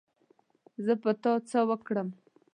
زه په تا څه وکړم